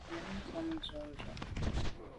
Ngabnyàm tshàm ntshob ndù.